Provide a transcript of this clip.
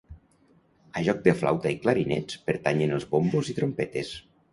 A joc de flauta i clarinets pertanyen els bombos i trompetes.